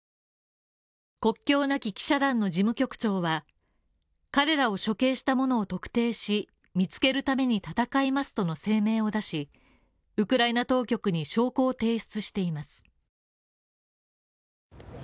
国境なき記者団の事務局長は彼らを処刑した者を特定し、見つけるために戦いますとの声明を出し、ウクライナ当局に証拠を提出しています。